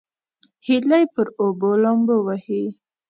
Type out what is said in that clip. هیلۍ پر اوبو لامبو وهي